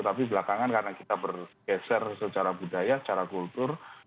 tapi belakangan karena kita bergeser secara budaya secara kultur